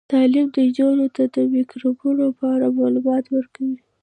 تعلیم نجونو ته د میکروبونو په اړه معلومات ورکوي.